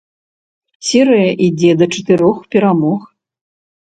Серыя ідзе да чатырох перамог.